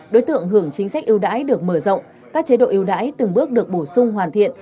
đối tượng hưởng chính sách ưu đãi được mở rộng các chế độ ưu đãi từng bước được bổ sung hoàn thiện